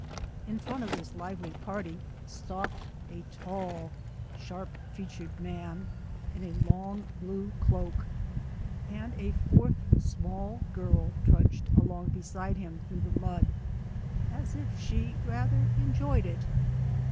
In front of this lively party stalked a tall, sharp featured man, in a long blue cloak; and a fourth small girl trudged along beside him through the mud as if she rather enjoyed it.